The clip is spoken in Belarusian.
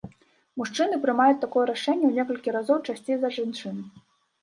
Мужчыны прымаюць такое рашэнне у некалькі разоў часцей за жанчын.